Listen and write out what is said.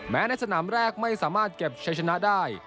ในสนามแรกไม่สามารถเก็บใช้ชนะได้